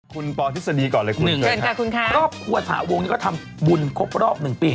คุณปธิษฎีก่อนเลยคุณเคยค่ะรอบหัวสหาวงก็ทำบุญครบรอบ๑ปี